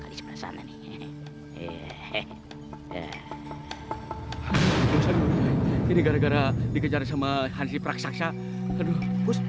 ini gara gara dikejar sama hansi praksasa aduh